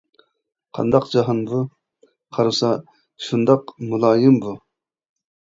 قانداق جاھان بۇ؟ قارىسا شۇنداق مۇلايىم بۇ.